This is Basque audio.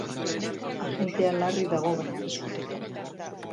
Agentea larri dago baina arriskutik kanpo.